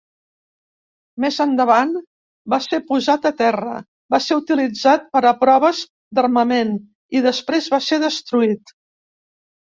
Més endavant va ser posat a terra, va ser utilitzat per a proves d'armament i després va ser destruït.